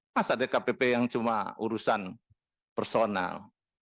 masa dkpp yang cuma urusan personal